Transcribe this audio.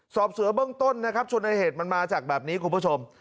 เสือเบื้องต้นนะครับชนในเหตุมันมาจากแบบนี้คุณผู้ชม